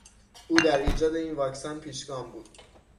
او در ایجاد این واکسن پیشگام بود.